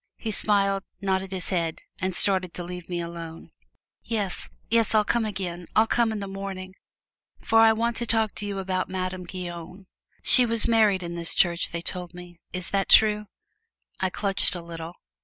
He smiled, nodded his head and started to leave me alone. "Yes, yes, I'll come again I'll come in the morning, for I want to talk with you about Madame Guyon she was married in this church they told me is that true?" I clutched a little.